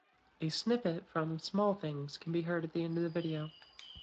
A snippet from "Small Things" can be heard at the end of the video.